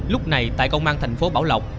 lúc này tại công an thành phố bảo lộc